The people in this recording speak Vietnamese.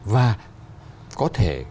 và có thể